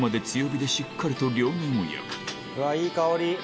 うわぁいい香り！